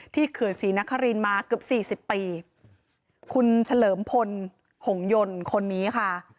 เขื่อนศรีนครินมาเกือบสี่สิบปีคุณเฉลิมพลหงยนต์คนนี้ค่ะ